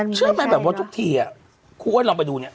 เชื่อไหมแบบว่าทุกทีครูอ้อยลองไปดูเนี่ย